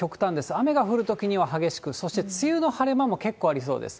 雨が降るときには激しく、そして梅雨の晴れ間も結構ありそうです。